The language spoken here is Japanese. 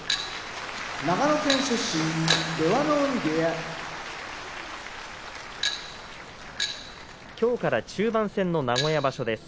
長野県出身出羽海部屋きょうから中盤戦の名古屋場所です。